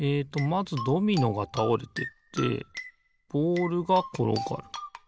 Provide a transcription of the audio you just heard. まずドミノがたおれてってボールがころがる。